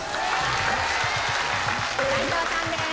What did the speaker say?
齋藤さんです。